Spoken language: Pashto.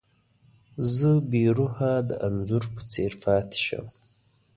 زه بې روحه د انځور په څېر پاتې شم.